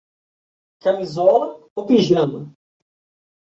Camisola ou pijama